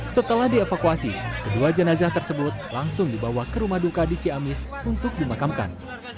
setelah dievakuasi kedua jenazah tersebut langsung dibawa ke rumah duka di ciamis untuk dimakamkan